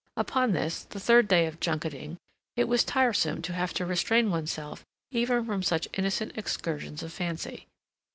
Upon this, the third day of junketing, it was tiresome to have to restrain oneself even from such innocent excursions of fancy.